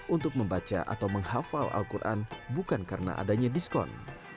untuk membaca atau menghafal al quran bukan karena adanya diskon